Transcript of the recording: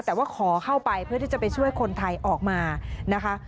แต่ว่าขอเข้าไปเพื่อที่จะไปช่วยคนไทยออกมานะคะ